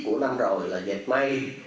của năm rồi là dẹp mây